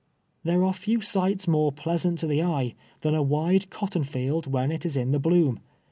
There are few siglits more pleasant to the eye, than a wide cotton field when it is in the bloom.